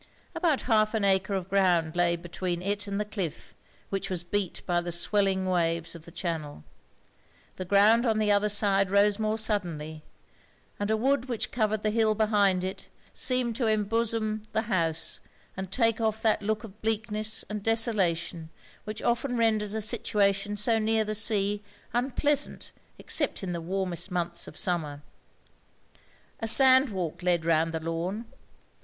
About half an acre of ground lay between it and the cliff, which was beat by the swelling waves of the channel. The ground on the other side rose more suddenly; and a wood which covered the hill behind it, seemed to embosom the house, and take off that look of bleakness and desolation which often renders a situation so near the sea unpleasant except in the warmest months of Summer. A sand walk lead round the lawn.